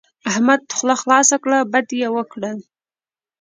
احمد خوله خلاصه کړه؛ بد يې وکړل.